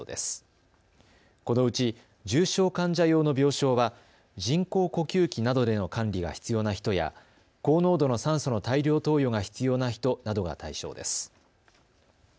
このうち重症患者用の病床は人工呼吸器などでの管理が必要な人や高濃度の酸素の大量投与が必要な人などが対象です。